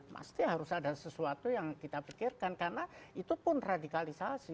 pasti harus ada sesuatu yang kita pikirkan karena itu pun radikalisasi